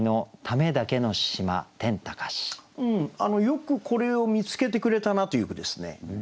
よくこれを見つけてくれたなという句ですね。